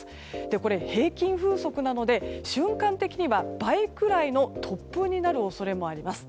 これは平均風速なので瞬間的には倍くらいの突風になる恐れもあります。